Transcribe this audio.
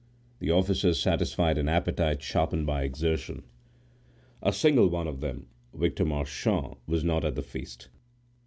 The officers satisfied an appetite sharpened by exertion. A single one of them, Victor Marchand, was not at the feast.